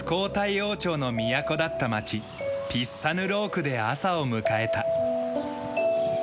王朝の都だった町ピッサヌロークで朝を迎えた。